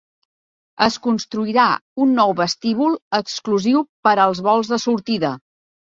Es construirà un nou vestíbul exclusiu per als vols de sortida.